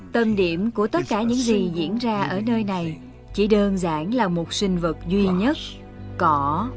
tầm điểm của tất cả những gì diễn ra ở nơi này chỉ đơn giản là một sinh vật duy nhất cỏ